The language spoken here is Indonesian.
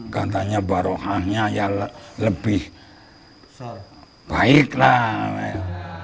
katanya barokahnya yang lebih baiklah